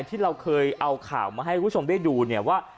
ที่เราเคยเอาข่าวมาให้คุณผู้ชมได้ดูเนี่ยว่า